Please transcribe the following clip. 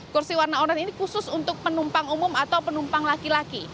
kursi warna online ini khusus untuk penumpang umum atau penumpang laki laki